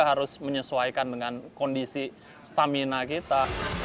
harus menyesuaikan dengan kondisi stamina kita